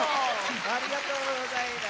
ありがとうございます。